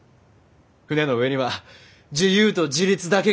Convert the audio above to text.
船の上には自由と自立だけがあったそうじゃ。